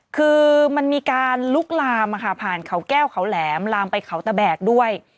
คือมันมีการลุกลามผ่านเขาแก้วเขาแหลมลามไปเขาตะแบกด้วย